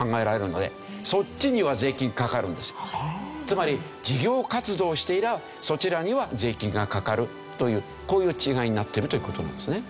つまり事業活動をしていたらそちらには税金がかかるというこういう違いになっているという事なんですね。